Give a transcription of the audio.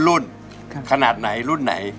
รุ่นขนาดไหนรุ่นไหน